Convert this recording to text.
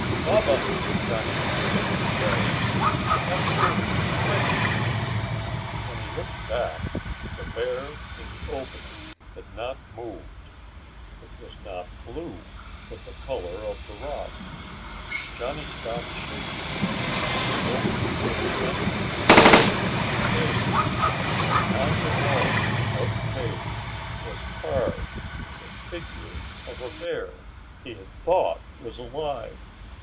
"Baba!" Johnny turned and yelled, "Come here, quick!" When he looked back, the bear in the opening had not moved. It was not blue, but the color of the rock. Johnny stopped shaking. The opening was the entrance into a cave, and on the wall of the cave was carved the figure of a bear he had thought was alive.